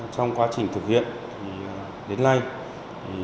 trong quá trình trực tự an toàn giao thông vệ sinh môi trường trên địa bàn